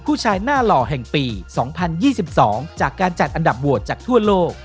ผู้ชายหน้าหล่อแห่งปี๒๐๒๒จากการจัดอันดับโหวตจากทั่วโลก